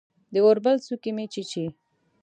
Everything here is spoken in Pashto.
د اوربل څوکې مې چیچي